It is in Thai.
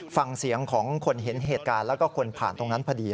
ฟังเสียงของคนเห็นเหตุการณ์แล้วก็คนผ่านตรงนั้นพอดี